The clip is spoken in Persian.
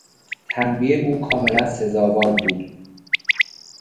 تنبیه او کاملا سزاوار بود.